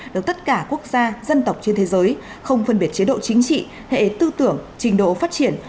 được tất cả quốc gia dân tộc trên thế giới không phân biệt chế độ chính trị hệ tư tưởng trình độ phát triển